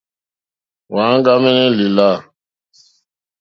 Wàŋɡámɛ́nɛ́ lìlâ.